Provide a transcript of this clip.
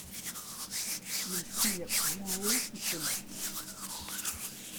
Ils firent lignée sous ce nom.